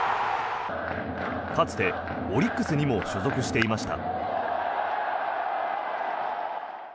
かつてオリックスにも所属していました。